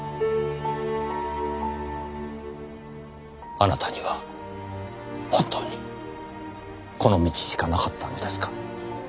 あなたには本当にこの道しかなかったのですか？